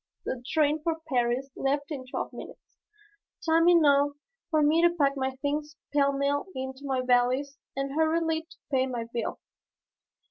The train for Paris left in twelve minutes, time enough for me to pack my things pell mell into my valise and hurriedly to pay my bill.